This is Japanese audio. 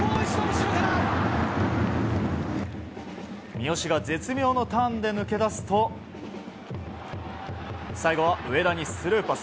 三好が絶妙のターンで抜け出すと最後は上田にスルーパス。